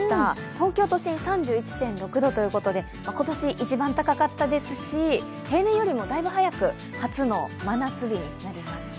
東京都心３１．６度ということで今年一番高かったですし平年よりもだいぶ早く初の真夏日になりました。